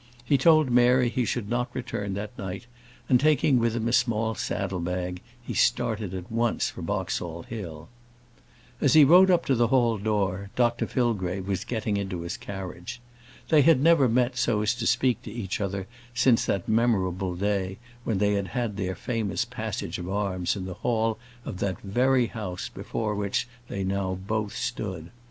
He told Mary he should not return that night; and taking with him a small saddle bag, he started at once for Boxall Hill. As he rode up to the hall door, Dr Fillgrave was getting into his carriage. They had never met so as to speak to each other since that memorable day, when they had their famous passage of arms in the hall of that very house before which they both now stood.